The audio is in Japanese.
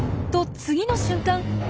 と次の瞬間